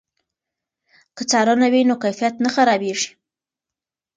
که څارنه وي نو کیفیت نه خرابېږي.